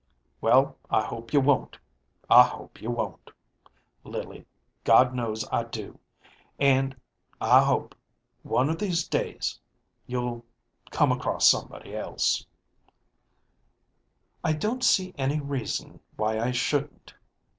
" Well, I hope you won't I hope you won't, Lily. God knows I do. And I hope one of these days you'll come across somebody else " ďI don't see any reason why I shouldn't."